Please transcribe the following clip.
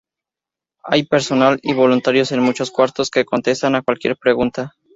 Hay personal y voluntarios en muchos cuartos que contestan a cualquier pregunta.